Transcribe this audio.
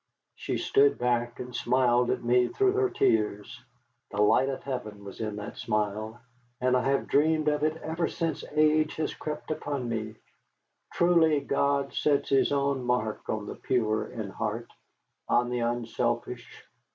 She stood back and smiled at me through her tears. The light of heaven was in that smile, and I have dreamed of it even since age has crept upon me. Truly, God sets his own mark on the pure in heart, on the unselfish.